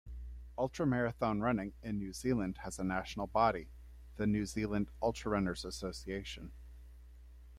Ultramarathon running in New Zealand has a national body: the New Zealand Ultrarunners Association.